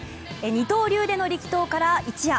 二刀流での力投から一夜。